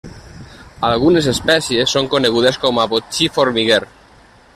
Algunes espècies són conegudes com a botxí formiguer.